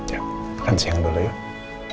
ya makan siang dulu yuk